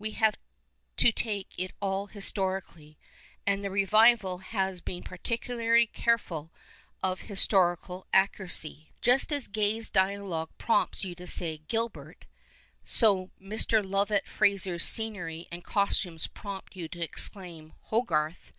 Wc have to take it all historically. And the revival has been particularly careful of historical accuracy. PASTICHE AND PREJUDICE Just as Gay's dialogue prompts you to say " Gilbert," so Mr. Lovat Frascr's scenery and costumes prompt you lo exclaim " Hogarth